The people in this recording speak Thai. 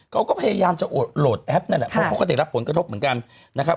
เขาก็พยายามจะโหลดแอปนั่นแหละเพราะเขาก็ได้รับผลกระทบเหมือนกันนะครับ